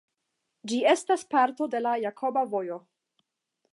Ĝi estas parto de la Jakoba Vojo.